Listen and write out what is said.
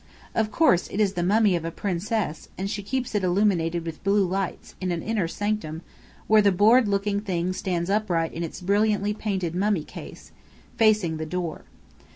Of course, it is the mummy of a princess, and she keeps it illuminated with blue lights, in an inner sanctum, where the bored looking thing stands upright in its brilliantly painted mummy case, facing the door.